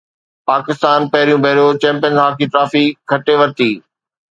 پاڪستان پهريون ڀيرو champions hockey trophy کٽي ورتي